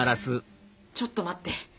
ちょっと待って！